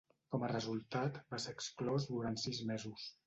Com a resultat, va ser exclòs durant sis mesos.